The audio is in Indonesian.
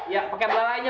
iya pakai belakangnya